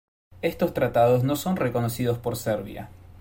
Estos tratados no son reconocidos por Serbia.